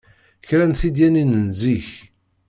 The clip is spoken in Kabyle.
Kra n tedyanin n zik